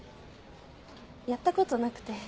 やったことなくて。